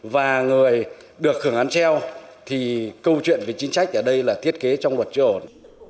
và người được hưởng án treo thì câu chuyện về chính trách ở đây là thiết kế trong luật chưa ổn